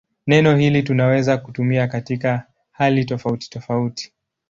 Neno hili tunaweza kutumia katika hali tofautitofauti.